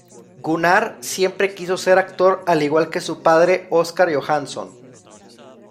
Gunnar siempre quiso ser actor al igual que su padre, Oscar Johanson.